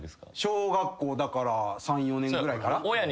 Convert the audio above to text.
小学校だから３４年ぐらいから。